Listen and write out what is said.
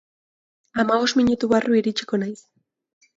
Hamabost minutu barru iritsiko naiz.